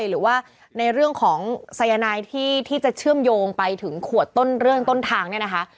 หรือว่าในเรื่องของสายนายที่จะเชื่อมโยงไปถึงขวดต้นเรื่องต้นทางเนี่ยนะคะ